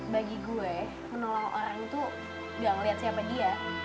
bagi gue menolong orang tuh gak ngeliat siapa dia